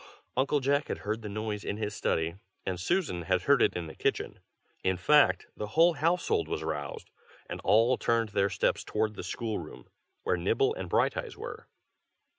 Uncle Jack had heard the noise in his study, and Susan had heard it in the kitchen; in fact, the whole household was roused, and all turned their steps towards the school room, where Nibble and Brighteyes were.